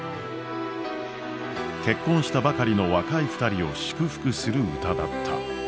結婚したばかりの若い２人を祝福する歌だった。